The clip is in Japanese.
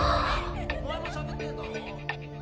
お前もしゃべってんだろ。